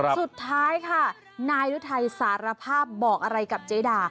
สุดท้ายค่ะนายรุทัยสารภาพบอกอะไรกับเจดา